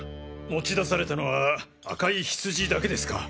持ち出されたのは赤いヒツジだけですか？